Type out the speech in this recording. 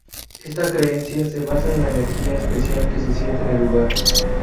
Esta creencia se basa en la energía especial que se siente en el lugar.